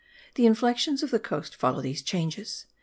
The inflexions of the coast follow these changes.